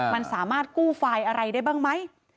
มันสามารถกู้ไฟล์อะไรได้บ้างไหม